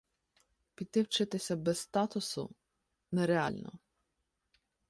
Піти вчитися без статусу – нереально